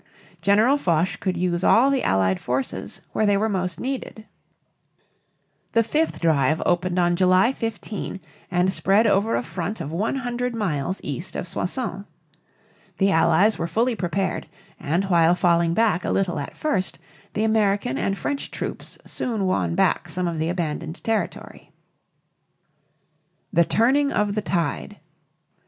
General Foch could use all the Allied forces where they were most needed. [Illustration: WESTERN FRONT] The fifth drive opened on July 15 and spread over a front of one hundred miles east of Soissons. The Allies were fully prepared, and while falling back a little at first, the American and French troops soon won back some of the abandoned territory. THE TURNING OF THE TIDE.